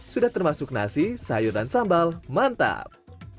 sudah termasuk nasi sayur dan sambal mantap